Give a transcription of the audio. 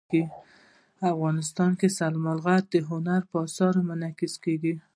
افغانستان کې سلیمان غر د هنر په اثارو کې منعکس کېږي.